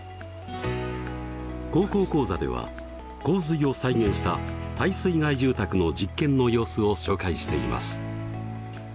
「高校講座」では洪水を再現した耐水害住宅の実験の様子を紹介しています。